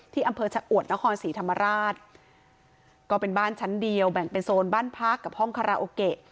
อำเภอชะอวดนครศรีธรรมราชก็เป็นบ้านชั้นเดียวแบ่งเป็นโซนบ้านพักกับห้องคาราโอเกะ